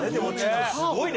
すごいね！